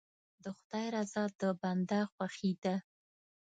د خدای رضا د بنده خوښي ده.